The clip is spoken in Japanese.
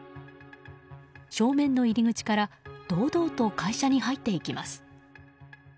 正面の入り口から堂々と会社に入っていきます。